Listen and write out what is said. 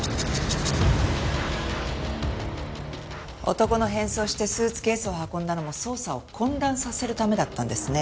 男の変装をしてスーツケースを運んだのも捜査を混乱させるためだったんですね。